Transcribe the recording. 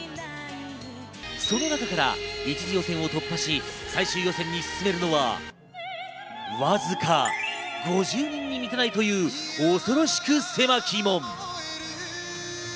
その中から一次予選を突破し、最終予選に進めるのは、わずか５０人に満たないという恐ろしく狭き門。